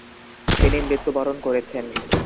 তিনি মৃত্যুবরণ করেছেন।